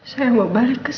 saya mau balik ke sel